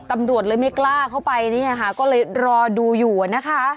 ตำรวจเลยไม่กล้าเข้าไปเนี่ยค่ะก็เลยรอดูอยู่นะคะ